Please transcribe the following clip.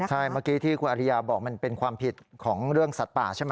ใช่เมื่อกี้ที่คุณอริยาบอกมันเป็นความผิดของเรื่องสัตว์ป่าใช่ไหม